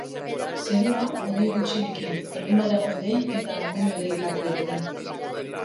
Zerua hodei gutxirekin, erdi mailako hodei eta goi-hodei tarteekin.